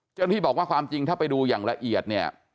เจ้าหน้าที่บอกว่าความจริงถ้าไปดูอย่างละเอียดเนี่ย